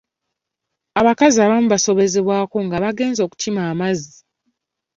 Abakazi abamu baasobezebwangako nga bagenze okukima amazzi.